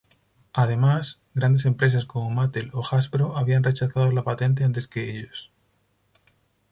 Además, grandes empresas como Mattel o Hasbro habían rechazado la patente antes que ellos.